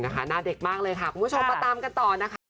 หน้าเด็กมากเลยค่ะคุณผู้ชมมาตามกันต่อนะคะ